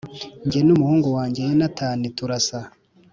njye n umuhungu wanjye yonatani turasa